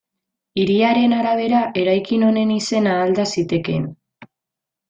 Hiriaren arabera, eraikin honen izena alda zitekeen.